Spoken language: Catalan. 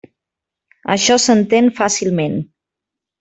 Això s'entén fàcilment.